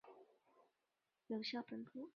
学院拥有校本部。